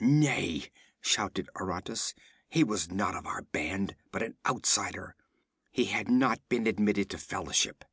'Nay!' shouted Aratus. 'He was not of our band, but an outsider. He had not been admitted to fellowship.